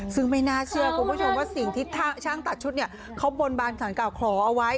ซึ่งไม่น่าเชื่อคุณผู้ชมว่าสิ่งที่ช่างตัดชุดเนี่ยเขาบนบานสารเก่าขอเอาไว้